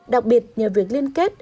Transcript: đặc biệt nhờ việc liên kết